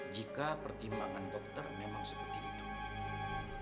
jika pertimbangan dokter memang seperti itu